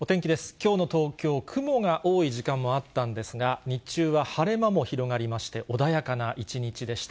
きょうの東京、雲が多い時間もあったんですが、日中は晴れ間も広がりまして、穏やかな一日でした。